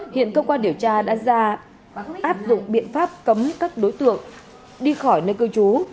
hiện cơ quan điều tra đã áp dụng biện pháp cấm các đối tượng đi khỏi nơi cư trú